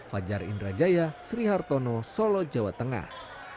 fajar indrajaya sri hartono solo jawa tengah